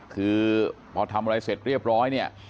คือพอทำอะไรเสร็จเรียบร้อยเนี่ย